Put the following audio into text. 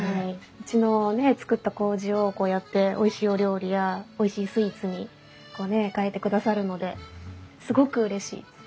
うちの造ったこうじをこうやっておいしいお料理やおいしいスイーツに変えてくださるのですごくうれしいです。